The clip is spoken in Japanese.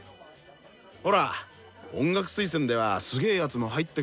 ほら音楽推薦ではすげ奴も入ってくるんだろ？